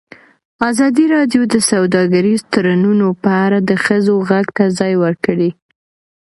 ازادي راډیو د سوداګریز تړونونه په اړه د ښځو غږ ته ځای ورکړی.